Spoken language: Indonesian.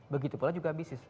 begitu pula juga bisnis